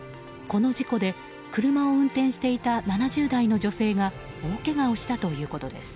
この事故で車を運転していた７０代の女性が大けがをしたということです。